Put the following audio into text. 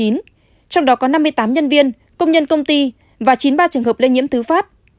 trong đó có năm mươi tám nhân viên công nhân công ty và chín mươi ba trường hợp lây nhiễm thứ phát